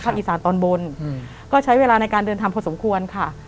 อีสานตอนบนก็ใช้เวลาในการเดินทางพอสมควรค่ะ